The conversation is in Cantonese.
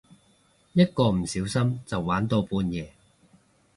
一個唔小心就玩到半夜